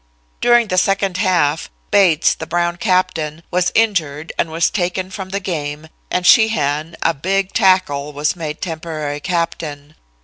During the second half, Bates, the Brown captain, was injured and was taken from the game, and Sheehan, a big tackle, was made temporary captain.